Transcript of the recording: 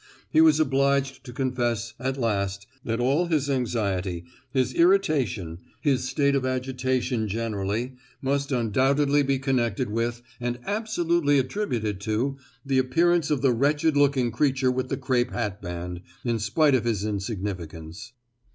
He was obliged to confess at last, that all his anxiety, his irritation, his state of agitation generally, must undoubtedly be connected with, and absolutely attributed to, the appearance of the wretched looking creature with the crape hatband, in spite of his insignificance.